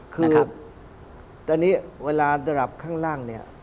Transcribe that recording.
คือตอนนี้เวลาระดับข้างล่างเนี่ย